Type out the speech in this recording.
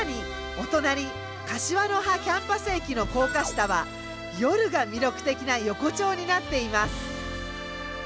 お隣柏の葉キャンパス駅の高架下は夜が魅力的な横丁になっています。